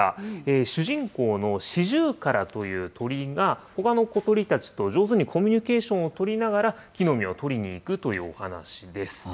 主人公のシジュウカラという鳥が、ほかの小鳥たちと上手にコミュニケーションを取りながら、木の実を取りに行くというお話しです。